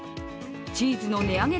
チーズの値上げ